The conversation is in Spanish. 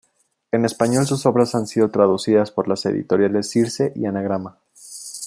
En español sus obras han sido traducidas por las editoriales Circe y Anagrama.